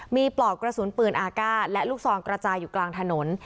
มีปลอกกระสุนปืนอากาศและลูกซองกระจายอยู่กลางถนน